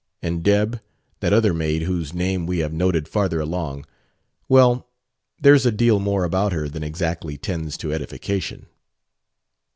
and 'Deb,' that other maid whose name we have noted farther along well, there's a deal more about her than exactly tends to edification...."